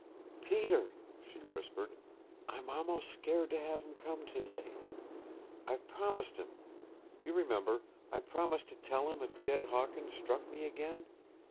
"Peter," she whispered, "I'm almost scared to have him come today. I've promised him. You remember I promised to tell him if Jed Hawkins struck me again.